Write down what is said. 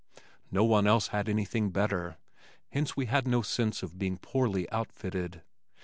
No one else had anything better, hence we had no sense of being poorly outfitted.